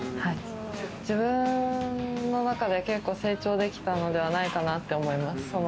自分の中では結構成長できたのではないかなと思います。